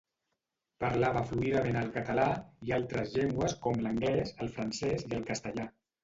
Parlava fluidament el català i altres llengües com l'anglès, el francès i el castellà.